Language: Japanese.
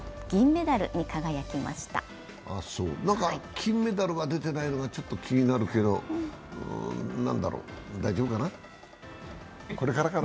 金メダルが出てないのがちょっと気になるけど何だろう、大丈夫かな、これからかな。